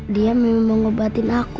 dia memang ngobatin aku